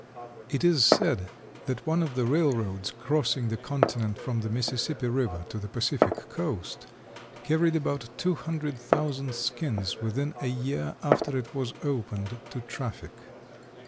It is said that one of the railroads crossing the continent from the Mississippi river to the Pacific coast carried about two hundred thousand skins within a year after it was opened to traffic.